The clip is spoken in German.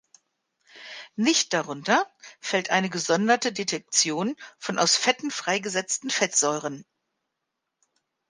Nicht darunter fällt eine gesonderte Detektion von aus Fetten freigesetzten Fettsäuren.